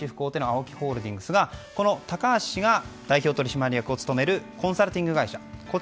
ＡＯＫＩホールディングスが高橋氏が代表取締役を務めるコンサルティング会社があります。